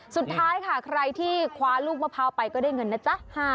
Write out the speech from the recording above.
สุดท้ายค่ะใครที่คว้าลูกมะพร้าวไปก็ได้เงินนะจ๊ะ